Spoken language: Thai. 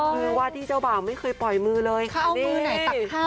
คือว่าที่เจ้าบ่าวไม่เคยปล่อยมือเลยค่ะนี่